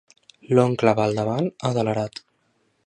L'oncle va al davant, adelerat.